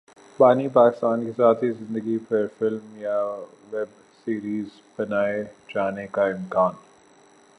بانی پاکستان کی ذاتی زندگی پر فلم یا ویب سیریز بنائے جانے کا امکان